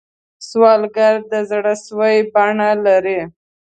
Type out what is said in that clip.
سوالګر د زړه سوې بڼه لري